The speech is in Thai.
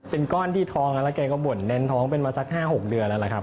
เป็นก้อนที่ท้องแล้วแกก็บ่นเน้นท้องเป็นมาสัก๕๖เดือนแล้วล่ะครับ